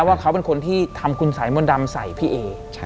ว่าเขาเป็นคนที่ทำคุณสายมวลดำผู้ถึงพี่เอ